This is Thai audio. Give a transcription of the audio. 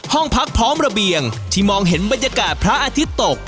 ห้องพักพร้อมระเบียงที่มองเห็นบรรยากาศพระอาทิตย์ตก